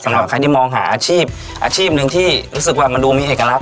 สำหรับใครที่มองหาอาชีพอาชีพหนึ่งที่รู้สึกว่ามันดูมีเอกลักษ